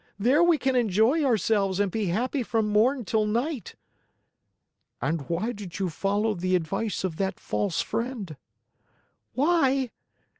There we can enjoy ourselves and be happy from morn till night.'" "And why did you follow the advice of that false friend?" "Why?